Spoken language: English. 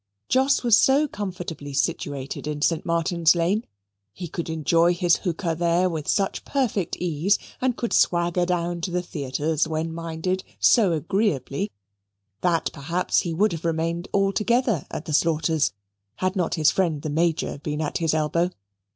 Jos was so comfortably situated in St. Martin's Lane, he could enjoy his hookah there with such perfect ease, and could swagger down to the theatres, when minded, so agreeably, that, perhaps, he would have remained altogether at the Slaughters' had not his friend, the Major, been at his elbow.